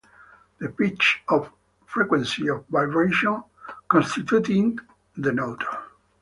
The pitch or frequency of vibration constituting the note.